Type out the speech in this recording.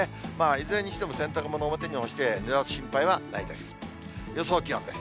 いずれにしても洗濯物を表に干してぬらす心配はないです。